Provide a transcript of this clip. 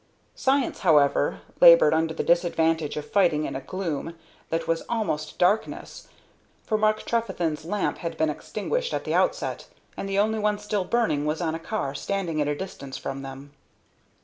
Science, however, labored under the disadvantage of fighting in a gloom that was almost darkness, for Mark Trefethen's lamp had been extinguished at the outset, and the only one still burning was on a car standing at a distance from them.